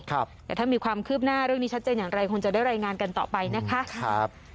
เดี๋ยวถ้ามีความคืบหน้าเรื่องนี้ชัดเจนอย่างไรคงจะได้รายงานกันต่อไปนะคะ